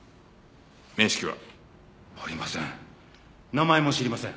面識は？ありません。